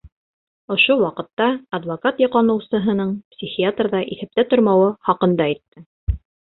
Ошо ваҡытта адвокат яҡланыусыһының психиатрҙа иҫәптә тормауы хаҡында әйтте.